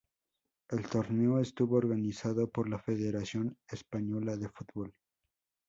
El torneo estuvo organizado por la Federación Española de Fútbol.